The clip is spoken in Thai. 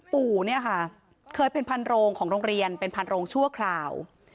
ปู่เนี่ยค่ะเคยเป็นพันโรงของโรงเรียนเป็นพันโรงชั่วคราว